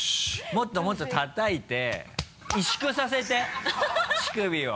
もっともっとたたいて萎縮させて乳首を。